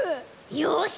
よし！